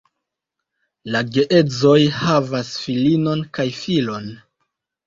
La geedzoj havas filinon kaj filon.